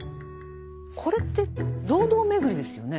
これって堂々巡りですよね。